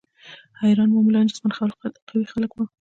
عیاران معمولاً جسماً قوي خلک وي.